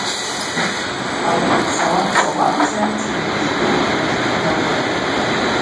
Ауи дцауа-дцауамца тенгьыз дукӏ днатшпнылтӏ.